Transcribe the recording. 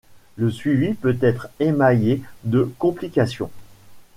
Le suivi peut être émaillé de complications.